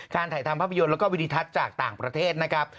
ถ่ายทำภาพยนตร์แล้วก็วิธีทัศน์จากต่างประเทศนะครับ